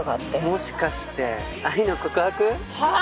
もしかして愛の告白？はあ！？